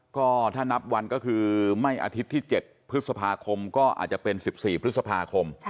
ก็ถ้านับวันก็คือไม่อาทิตย์ที่๗พฤษภาคมก็อาจจะเป็น๑๔พฤษภาคม